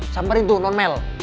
samperin tuh non mel